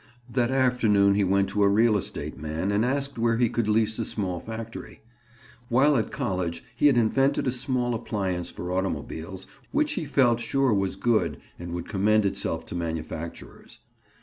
That afternoon he went to a real estate man and asked where he could lease a small factory. While at college he had invented a small appliance for automobiles, which he felt sure was good and would commend itself to manufacturers.